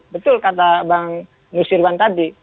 betul kata bang nusirwan tadi